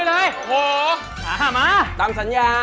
มาตามสัญญา